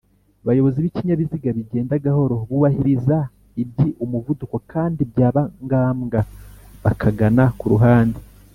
bayobozi b’ikinyabiziga bigenda gahoro bubahiriza ibyi umuvuduko kandi byaba ngambwa bakagana kuruhande